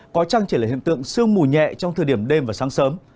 có chăng chỉ là hiện tượng sương mù nhẹ trong thời điểm đêm và sáng sớm